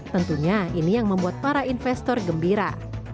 tentunya ini yang membuat para investor gembira